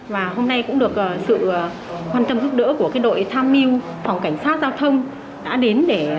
và hôm nay cũng được sự quan tâm giúp đỡ của đội tham miu phòng cảnh sát giao thông đã đến để trao những quà cho các cháu